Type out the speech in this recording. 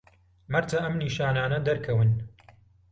مەرجە ئەم نیشانانە دەرکەون